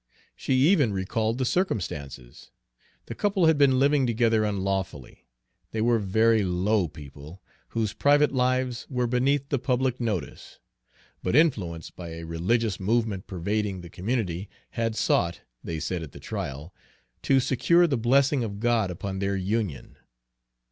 She even recalled the circumstances. The couple had been living together unlawfully, they were very low people, whose private lives were beneath the public notice, but influenced by a religious movement pervading the community, had sought, they said at the trial, to secure the blessing of God upon their union.